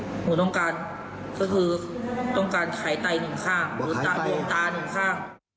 ก็คือต้องการขายไตหนึ่งข้างหรือดวงตาหนึ่งข้าง